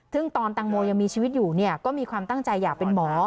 ซึ่งตอนตังโมยังมีชีวิตอยู่เนี่ยก็มีความตั้งใจอยากเป็นหมอ